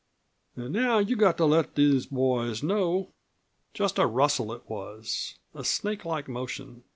An' now you've got to let these boys know !" Just a rustle it was a snake like motion.